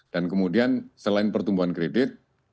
dan kemudian selain pertumbuhan kredit